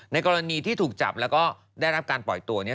กรณีที่ถูกจับแล้วก็ได้รับการปล่อยตัวนี้